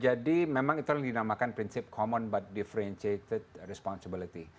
jadi memang itu yang dinamakan prinsip common but differentiated responsibility